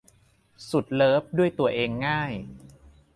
สุดเลิฟด้วยตัวเองง่าย